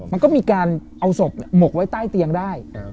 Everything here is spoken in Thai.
มันก็มีการเอาศพหมกไว้ใต้เตียงได้